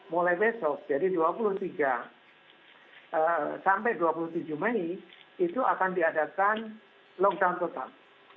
mulai besok jadi dua puluh tiga sampai dua puluh tujuh mei itu akan diadakan lockdown total